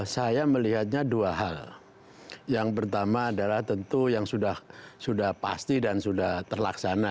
saya melihatnya dua hal yang pertama adalah tentu yang sudah pasti dan sudah terlaksana